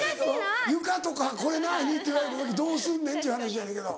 床とか「これなに？」って言われた時どうすんねんっちゅう話やねんけど。